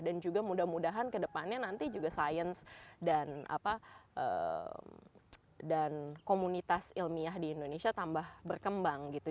dan juga mudah mudahan kedepannya nanti juga sains dan komunitas ilmiah di indonesia tambah berkembang gitu